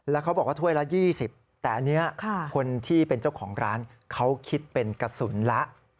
แล้วเขาบอกว่าถ้วยละ๒๐แต่อันนี้คนที่เป็นเจ้าของร้านเขาคิดเป็นกระสุนละ